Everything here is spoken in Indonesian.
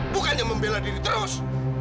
bukannya membela diri terus